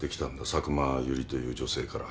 佐久間由理という女性から。